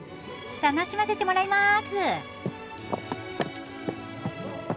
楽しませてもらいます。